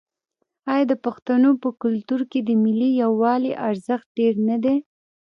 آیا د پښتنو په کلتور کې د ملي یووالي ارزښت ډیر نه دی؟